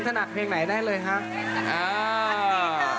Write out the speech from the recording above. ทันน้องน้องโดยงาม